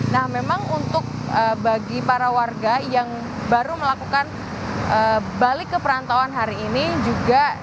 nah memang untuk bagi para warga yang baru melakukan balik ke perantauan hari ini juga